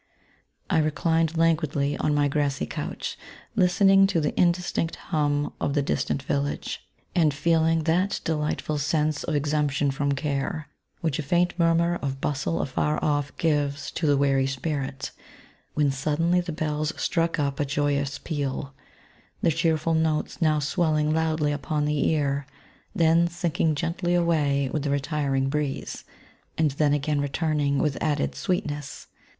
I reclined languidly on my grassy "couch, nistening to the indistinct hum of the distant village, and feeling that de VI INTKODUOTIOK. ligbtful sense of exemption from care, which a faint murmur of bustle afar off gives to the weary spirit, when suddenly the bells struck up a joyous peal — the cheerful notes now swelling loudly upon the ear, then sinking gently away with the retiring breeze, and then again return ing with added sweetness.